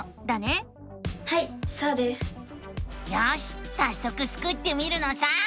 よしさっそくスクってみるのさ！